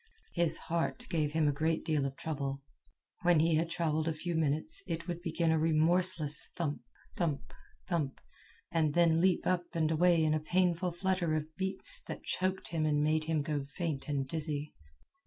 His heart gave him a great deal of trouble. When he had travelled a few minutes it would begin a remorseless thump, thump, thump, and then leap up and away in a painful flutter of beats that choked him and made him go faint and dizzy.